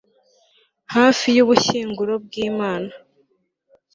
hafi y'ubushyinguro bw'imana